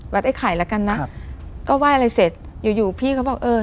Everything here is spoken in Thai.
ไอ้ไข่แล้วกันนะครับก็ไหว้อะไรเสร็จอยู่อยู่พี่เขาบอกเออ